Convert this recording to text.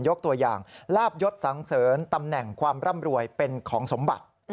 ตัวอย่างลาบยศสังเสริญตำแหน่งความร่ำรวยเป็นของสมบัติ